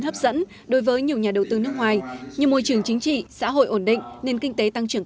hấp dẫn đối với nhiều nhà đầu tư nước ngoài như môi trường chính trị xã hội ổn định nền kinh tế tăng trưởng